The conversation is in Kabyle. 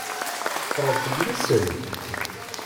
Teffreḍ fell-asen.